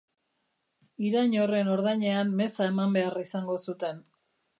Irain horren ordainean meza eman behar izango zuten.